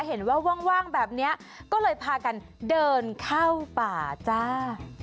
เห็นว่าว่างแบบนี้ก็เลยพากันเดินเข้าป่าจ้า